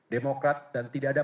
demokrat dan tidak ada